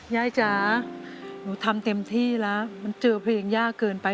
ยายจ๋าหนูทำเต็มที่แล้วมันเจอเพลงยากเกินไป